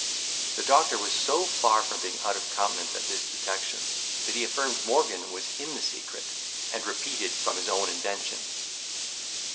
The doctor was so far from being out of countenance at this detection, that he affirmed Morgan was in the secret, and repeated from his own invention.